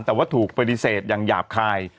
แต่ว่าถูกปฏิเสธอย่างหยาบคาย